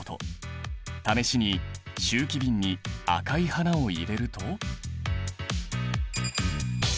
試しに集気瓶に赤い花を入れると。